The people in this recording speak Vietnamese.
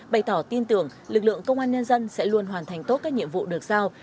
bày tỏ tin tưởng lực lượng công an nhân dân sẽ luôn hoàn thành tốt các nhiệm vụ được giao